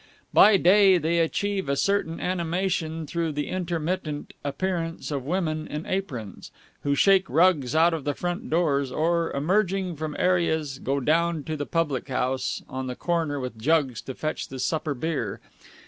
By day they achieve a certain animation through the intermittent appearance of women in aprons, who shake rugs out of the front doors or, emerging from areas, go down to the public house on the corner with jugs to fetch the supper beer.